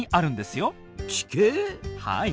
はい。